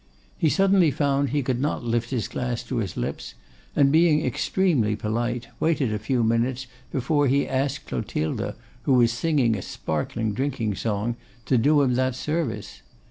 He suddenly found he could not lift his glass to his lips, and being extremely polite, waited a few minutes before he asked Clotilde, who was singing a sparkling drinking song, to do him that service.